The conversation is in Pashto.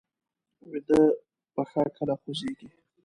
ویده پښه کله خوځېږي